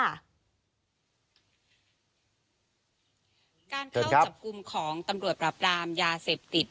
การเข้าจับกลุ่มของตำรวจปราบรามยาเสพติด